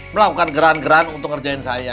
melakukan geran geran untuk ngerjain saya